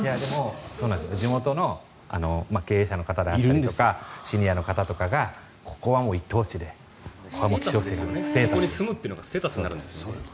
地元の経営者の方だったりとかシニアの方とかがここは１等地でそこに住むのがステータスになるんですよね。